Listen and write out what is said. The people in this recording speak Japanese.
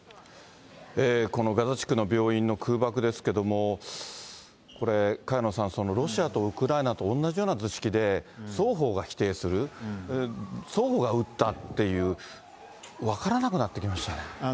このガザ地区の病院の空爆ですけども、これ、萱野さん、ロシアとウクライナと同じような図式で、双方が否定する、双方が撃ったっていう、分からなくなってきましたね。